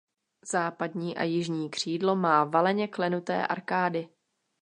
Západní a jižní křídlo má valeně klenuté arkády.